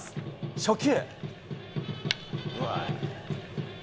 初球。